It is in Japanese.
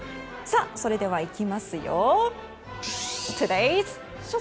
それでは、いきますよ。